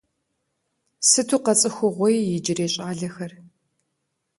Сыту къэцӏыхугъуей иджырей щӏалэхэр…